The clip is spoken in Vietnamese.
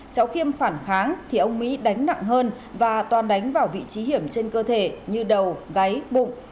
cháu khiêm phản kháng thì ông mỹ đánh nặng hơn và toàn đánh vào vị trí hiểm trên cơ thể như đầu gáy bụng